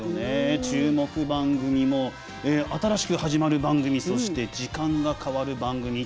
注目番組も新しく始まる番組そして、時間が変わる番組。